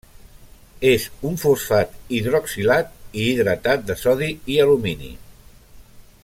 És un fosfat hidroxilat i hidratat de sodi i alumini.